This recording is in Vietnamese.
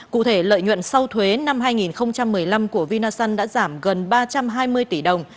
cụ thể lợi nhuận sau thuế năm hai nghìn một mươi năm của vinasun đã giảm gần ba trăm hai mươi tỷ đồng